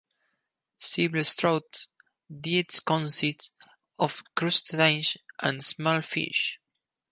Silver seatrout diets consist of crustaceans and small fish.